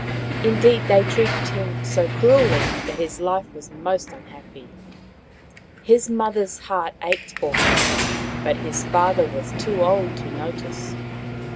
Indeed, they treated him so cruelly that his life was most unhappy. His mother's heart ached for him, but his father was too old to notice.